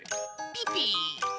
ピピ。